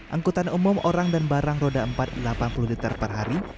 angkutan umum orang dan barang roda empat delapan puluh liter per hari